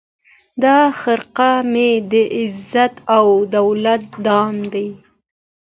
دا خرقه مي د عزت او دولت دام دی